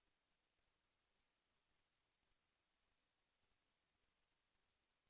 เพราะวางเบรคดาวน์ไปหมดแล้วอย่างงี้ค่ะ